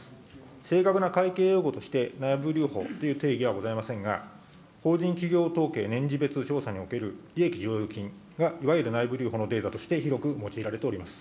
正確な会計用語として内部留保という定義はございませんが、法人企業統計年次別調査における利益剰余金がいわゆる内部留保のデータとして広く用いられております。